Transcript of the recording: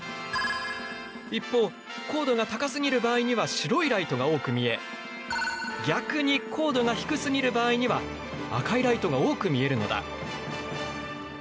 一方高度が高すぎる場合には白いライトが多く見え逆に高度が低すぎる場合には赤いライトが多く見えるのだ。